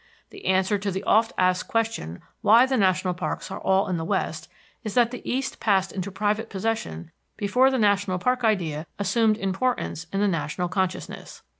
The answer to the oft asked question why the national parks are all in the west is that the east passed into private possession before the national park idea assumed importance in the national consciousness.